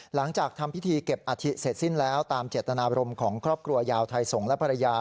หลังจากทำพิธีเก็บอาทิตเสร็จสิ้นแล้วตามเจตนาบรมของครอบครัวยาวไทยส่งและภรรยา